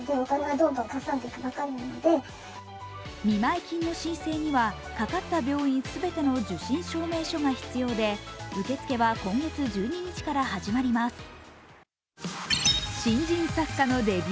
見舞い金の申請にはかかった病院全ての受診証明書が必要で受付は今月１２日から始まります。